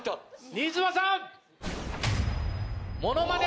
新妻さん。